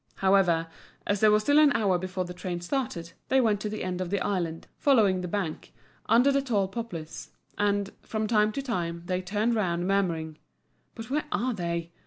However, as there was still an hour before the train started, they went to the end of the island, following the bank, under the tall poplars; and, from time to time, they turned round, murmuring: "But where are they?